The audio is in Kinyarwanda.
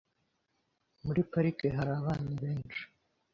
Muri parike hari abana benshi .